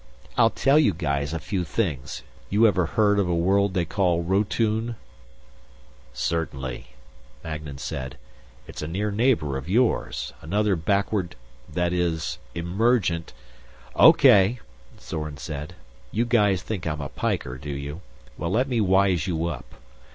"I'll tell you guys a few things. You ever heard of a world they call Rotune?" "Certainly," Magnan said. "It's a near neighbor of yours. Another backward that is, emergent " "Okay," Zorn said. "You guys think I'm a piker, do you? Well, let me wise you up.